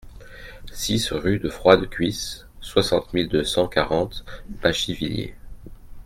six rue de Froide Cuisse, soixante mille deux cent quarante Bachivillers